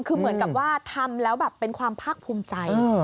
คือเหมือนกับว่าทำแล้วแบบเป็นความภาคภูมิใจ